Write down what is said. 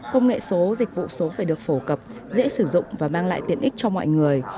công nghệ số dịch vụ số phải được phổ cập dễ sử dụng và mang lại tiện ích cho mọi người